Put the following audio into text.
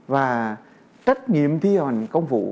và trách nhiệm thi hành công vụ